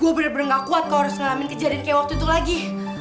gue bener bener gak kuat kok harus ngalamin kejadian kayak waktu itu lagi